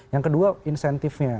yang kedua insentifnya